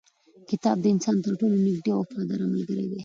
کتاب د انسان تر ټولو نږدې او وفاداره ملګری دی.